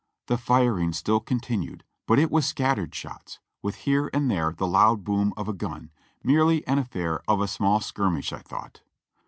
The firing still continued, but it was scattered shots, with here and there the loud boom of a gun, merely an affair of a small skirmish I thought.